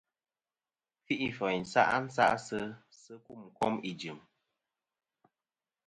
Kfi'ìfòyn sa' nsa'sisɨ̀ a sɨ kum kom ijɨ̀m.